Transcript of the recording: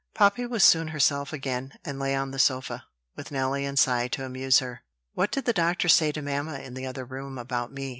Poppy was soon herself again, and lay on the sofa, with Nelly and Cy to amuse her. "What did the doctor say to mamma in the other room about me?"